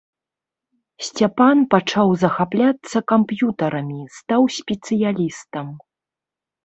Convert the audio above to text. Сцяпан пачаў захапляцца камп'ютарамі, стаў спецыялістам.